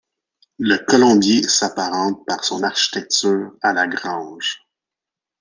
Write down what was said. Le colombier s'apparente par son architecture à la grange.